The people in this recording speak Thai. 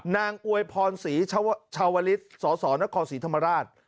นางอวยพรศรีชาวลิสต์สสนศรีธรรมราช